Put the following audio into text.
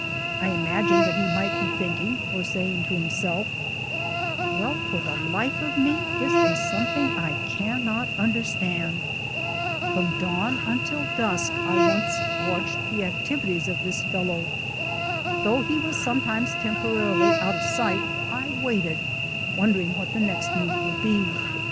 I imagined that he might be thinking or saying to himselt, "Well, for the life of me, this is something I cannot understand!" . From dawn until dusk I once watched the activi ties of this fellow. Though he was sometimes temporarily out of sight I waited, wondering what the next move would be.